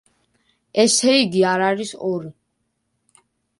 ესე იგი, არ არის ორი.